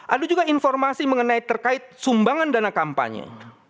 ada juga informasi mengenai terkait sumbangan dana kampanye